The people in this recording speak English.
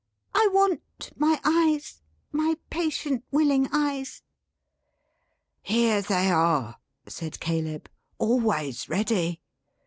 I want my eyes: my patient, willing eyes." "Here they are," said Caleb. "Always ready.